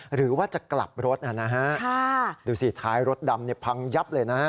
หรือว่าจะกลับรถนะฮะดูสิท้ายรถดำพังยับเลยนะฮะ